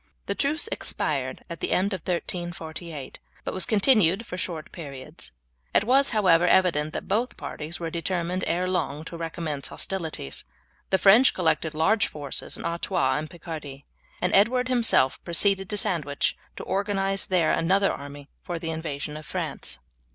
The truce expired at the end of 1348, but was continued for short periods. It was, however, evident that both parties were determined ere long to recommence hostilities. The French collected large forces in Artois and Picardy, and Edward himself proceeded to Sandwich to organize there another army for the invasion of France.